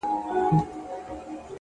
پرمختګ د ثابتو اصولو ملګری دی!